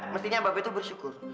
mestinya mbak be itu bersyukur